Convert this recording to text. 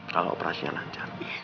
kalau operasinya lancar